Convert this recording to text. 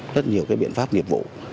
rất nhiều biện pháp nghiệp vụ